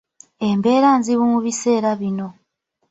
Embeera nzibu mu biseera bino.